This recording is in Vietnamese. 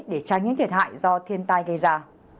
để tránh những thiệt hại do thiên tai gây ra